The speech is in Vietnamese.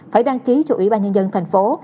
phải đăng ký cho ủy ban nhân dân thành phố